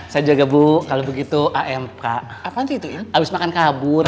saja bu kalau begitu mp tiga abis makan kabur